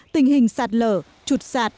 tình hình sạt lở trụt sạt